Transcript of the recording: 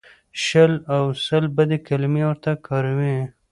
شل او سل بدې کلمې ورته کاروي.